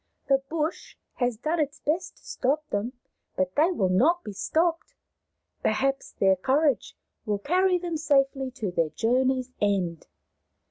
" The bush has done its best to stop them, but they will not be stopped. Perhaps their How the Moon was Made 53 courage will carry them safely to their journey's end."